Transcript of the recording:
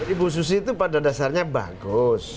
ibu susi itu pada dasarnya bagus